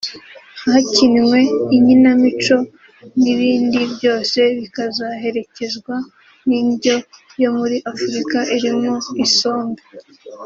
hakinnwe inkinamico n’ibindi ; byose bikazaherekezwa n’indyo yo muri Afurika irimo isombe